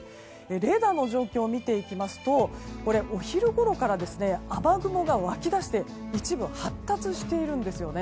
レーダーの状況を見ていきますとお昼ごろから雨雲が湧き出して一部発達しているんですね。